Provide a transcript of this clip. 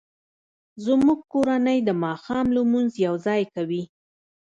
زموږ کورنۍ د ماښام لمونځ یوځای کوي